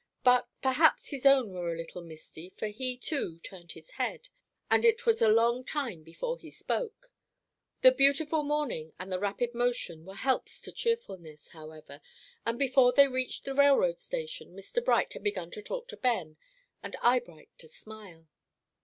But perhaps his own were a little misty, for he, too, turned his head, and it was a long time before he spoke. The beautiful morning and the rapid motion were helps to cheerfulness, however, and before they reached the railroad station Mr. Bright had begun to talk to Ben, and Eyebright to smile.